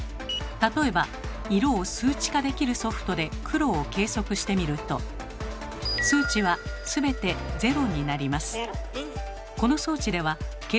例えば色を数値化できるソフトで黒を計測してみると数値は全て「０」になります。